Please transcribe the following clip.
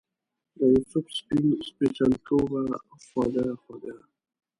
دیوسف سپین سپیڅلتوبه خوږه خوږه